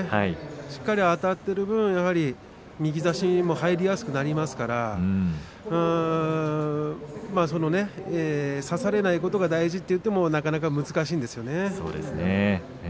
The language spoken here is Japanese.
しっかりあたってる分右差し、入りやすくなりますから差されないことが大事と言ってもなかなか難しいんですよね。